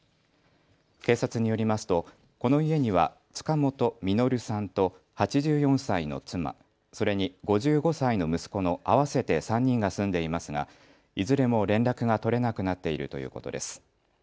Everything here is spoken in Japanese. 警察によりますとこの家には塚本實さんと８４歳の妻、それに５５歳の息子の合わせて３人が住んでいますがいずれも連絡が取れなくなっているということです。